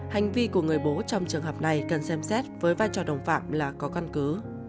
hành vi của người bố trong trường hợp này cần xem xét với vai trò đồng phạm là có căn cứ